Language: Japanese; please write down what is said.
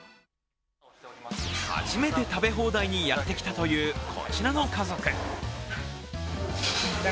初めて食べ放題にやってきたというこちらの家族。